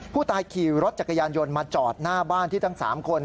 ผู้ตายขี่รถจักรยานยนต์มาจอดหน้าบ้านที่ทั้ง๓คน